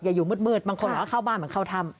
อย่าอยู่มืดบางคนเข้าบ้านเหมือนเขาทำ